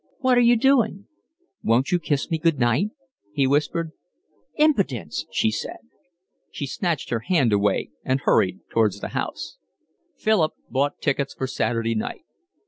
"What are you doing?" "Won't you kiss me good night?" he whispered. "Impudence!" she said. She snatched away her hand and hurried towards her house. Philip bought tickets for Saturday night.